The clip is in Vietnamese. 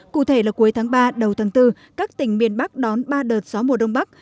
cụ thể là cuối tháng ba đầu tháng bốn các tỉnh miền bắc đón ba đợt gió mùa đông bắc